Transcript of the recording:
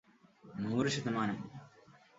നൂറ് ശതമാനം